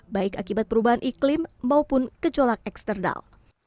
baik akibat perubahan iklim maupun kecolak eksterdal